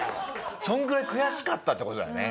そのぐらい悔しかったって事だよね。